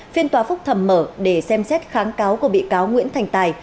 phiên tòa phúc thẩm mở để xem xét kháng cáo của bị cáo nguyễn thành tài